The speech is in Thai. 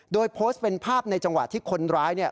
โดยโพสต์เป็นภาพในจังหวะที่คนร้าย